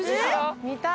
見たい！